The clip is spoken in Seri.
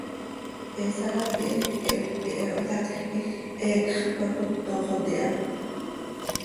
He saraapi heeque hipquih he hoyacj quij heecx cöcacótoxot iha.